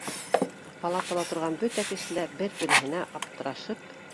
Палатала торған бөтә кеше лә бер-береһенә аптырашып